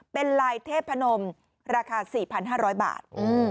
เป็นลายเทพนมราคา๔๕๐๐บาท